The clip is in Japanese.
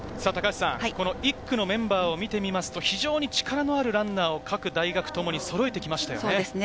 １区のメンバーを見ると非常に力のあるランナーを各大学ともにそろえてきましたよね。